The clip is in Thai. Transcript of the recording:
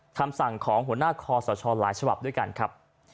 คำสั่งของหัวหน้าคอสชหลายฉบับด้วยกันครับ